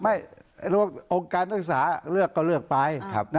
องค์การศึกษาเลือกก็เลือกไป